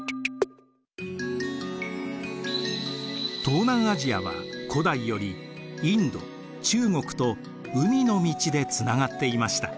東南アジアは古代よりインド中国と海の道でつながっていました。